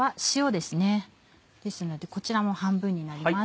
ですのでこちらも半分になります。